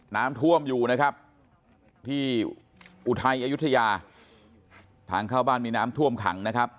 น้ำท่วมอยู่นะครับที่อุทัยอายุทยาทางเข้าบ้านมีน้ำท่วมขังนะครับ